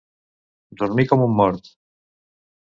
Dormir com un mort.